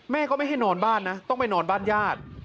ก็ไม่ให้นอนบ้านนะต้องไปนอนบ้านญาติ